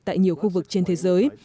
tại nhiều khu vực trên thế giới